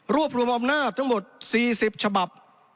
รวมอำนาจทั้งหมด๔๐ฉบับ